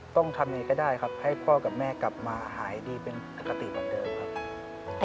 ต้องทำยังไงก็ได้ครับให้พ่อกับแม่กลับมาหายดีเป็นปกติเหมือนเดิมครับ